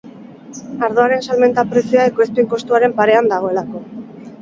Ardoaren salmenta prezioa ekoizpen kostuaren parean dagoelako.